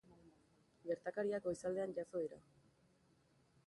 Gertakariak goizaldean jazo dira.